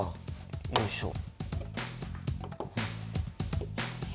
よいしょ。